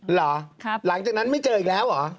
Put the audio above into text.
หลังจากนั้นไม่เจออีกแล้วเหรอ